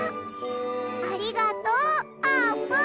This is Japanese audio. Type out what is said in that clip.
ありがとうあーぷん！